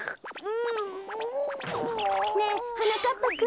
うう。ねえはなかっぱくん。